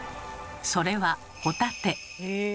それはホタテ。